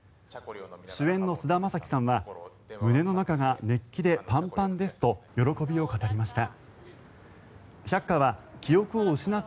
主演の菅田将暉さんは胸の中が熱気でパンパンですと喜びを語りました。